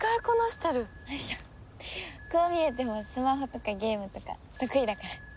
こう見えてもスマホとかゲームとか得意だから。